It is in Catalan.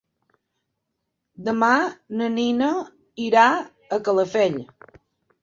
Demà na Nina irà a Calafell.